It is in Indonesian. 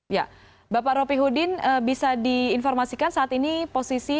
ya bapak ropi hudin bisa diinformasikan saat ini posisi